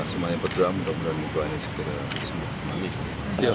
semuanya berdoa mudah mudahan ibu ani segera bersembunyi